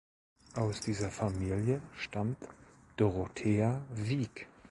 Aus dieser Familie stammt Dorothea Wieck.